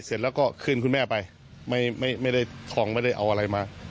เสร็จแล้วก็ขึ้นคุณแม่ไปไม่ได้ทองไม่ได้เอาอะไรมา